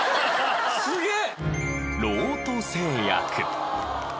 すげえ！